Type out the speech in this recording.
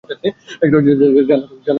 জানো তো তুমি কি করছো।